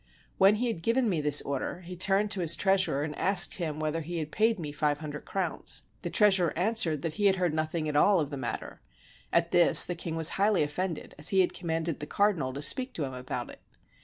When he had given me this order, he turned to his treas urer and asked him whether he had paid me five hun dred crowns: the treasurer answered that he had heard nothing at all of the matter : at this the king was highly offended, as he had commanded the cardinal to speak to him about it.